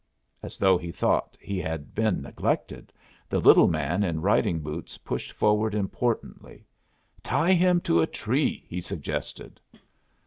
As though he thought he had been neglected, the little man in riding boots pushed forward importantly. "Tie him to a tree!" he suggested.